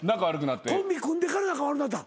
コンビ組んでから仲悪なった？